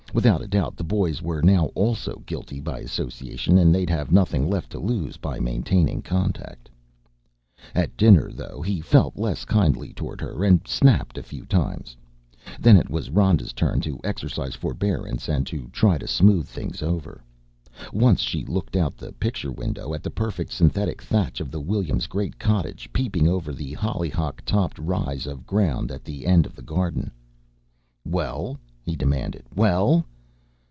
Without a doubt the boys were now also guilty by association and they'd have nothing left to lose by maintaining contact. At dinner, though, he felt less kindly toward her and snapped a few times. Then it was Rhoda's turn to exercise forebearance and to try to smooth things over. Once she looked out the picture window at the perfect synthetic thatch of the Williams' great cottage, peeping over the hollyhock topped rise of ground at the end of the garden. "Well?" he demanded. "Well?"